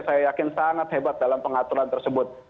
saya yakin sangat hebat dalam pengaturan tersebut